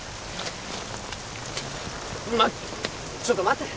まちょっと待て。